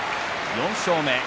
４勝目。